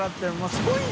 すごい。